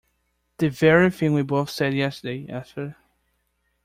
The very thing we both said yesterday, Esther!